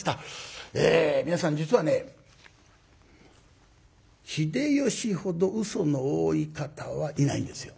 皆さん実はね秀吉ほどうその多い方はいないんですよ。